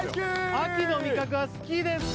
秋の味覚は好きですか？